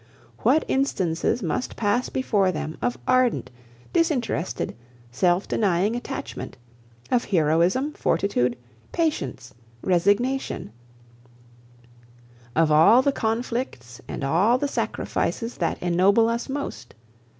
What instances must pass before them of ardent, disinterested, self denying attachment, of heroism, fortitude, patience, resignation: of all the conflicts and all the sacrifices that ennoble us most.